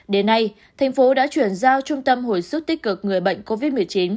đến nay thành phố đã chuyển giao trung tâm hồi sức tích cực người bệnh covid một mươi chín